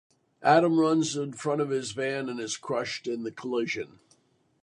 Adam runs in front of his van and is crushed in the collision.